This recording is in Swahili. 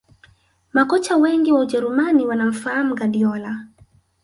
Makocha Wengi wa ujerumani wanamfahamu Guardiola